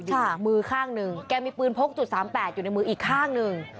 มือข้างหนึ่งแกมีปืนพกจุดสามแปดอยู่ในมืออีกข้างหนึ่ง